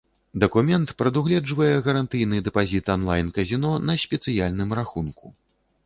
Дакумент прадугледжвае гарантыйны дэпазіт онлайн-казіно на спецыяльным рахунку.